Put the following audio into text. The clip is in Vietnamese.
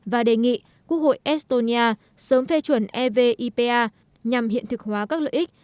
và đề nghị quốc hội estonia sớm phê chuẩn evipa nhằm hiện thực hóa các lợi ích